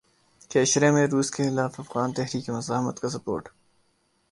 کے عشرے میں روس کے خلاف افغان تحریک مزاحمت کو سپورٹ